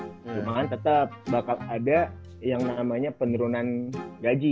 cuman tetap bakal ada yang namanya penurunan gaji